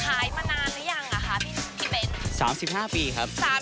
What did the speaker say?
แข่มานานหรือยังอ่ะคุณปี่เป็น